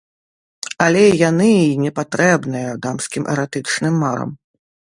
Але яны й непатрэбныя дамскім эратычным марам.